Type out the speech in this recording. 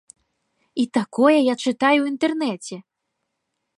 І такое я чытаю ў інтэрнэце!